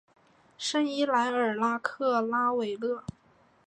圣伊莱尔拉格拉韦勒。